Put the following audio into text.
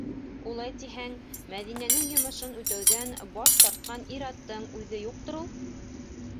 Улай тиһәң, Мәҙинәнең йомошон үтәүҙән баш тартҡан ир-аттың үҙе юҡтыр ул?